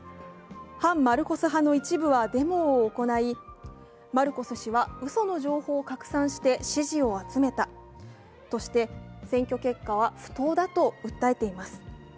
反マルコス派の一部はデモを行いマルコス氏は嘘の情報を拡散して支持を集めたとして選挙結果は不当だと訴えています。